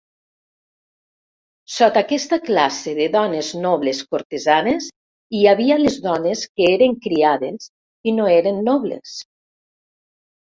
Sota aquesta classe de dones nobles cortesanes, hi havia les dones que eren criades i no eren nobles.